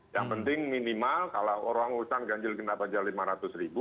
yang penting minimal kalau orang utang gajil genap saja rp lima ratus